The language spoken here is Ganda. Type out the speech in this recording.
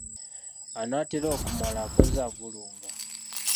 Anaatera okumala akoza avulunga.